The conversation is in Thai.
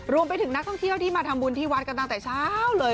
รวมไปถึงนักท่องเที่ยวที่มาทำบุญที่วัดกันตั้งแต่เช้าเลย